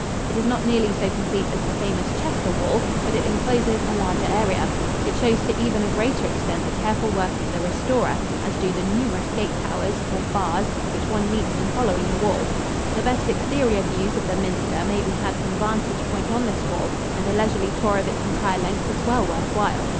It is not nearly so complete as the famous Chester wall, but it encloses a larger area. It shows to even a greater extent the careful work of the restorer, as do the numerous gate towers, or "bars," which one meets in following the wall. The best exterior views of the minster may be had from vantage points on this wall, and a leisurely tour of its entire length is well worth while.